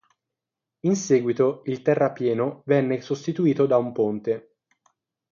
In seguito il terrapieno venne sostituito da un ponte.